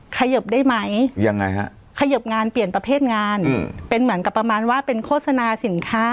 ขยิบได้ไหมยังไงฮะขยบงานเปลี่ยนประเภทงานเป็นเหมือนกับประมาณว่าเป็นโฆษณาสินค้า